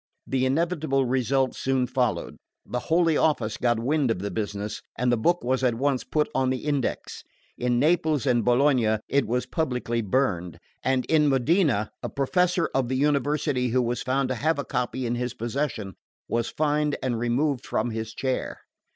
The inevitable result soon followed. The Holy Office got wind of the business, and the book was at once put on the Index. In Naples and Bologna it was publicly burned, and in Modena a professor of the University who was found to have a copy in his possession was fined and removed from his chair.